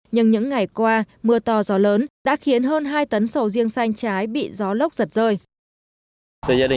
nhưng những ngày qua mưa to gió lớn đã khiến hơn hai tấn sầu riêng xanh trái bị gió lốc giật rơi